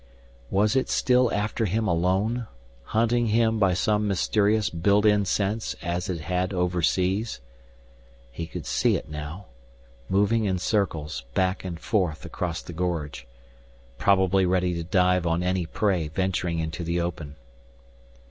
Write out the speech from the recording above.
Was it still after him alone, hunting him by some mysterious built in sense as it had overseas? He could see it now, moving in circles back and forth across the gorge, probably ready to dive on any prey venturing into the open.